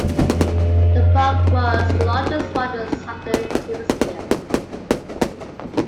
The park was the largest one in the southern hemisphere.